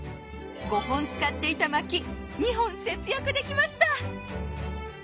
５本使っていたまき２本節約できました！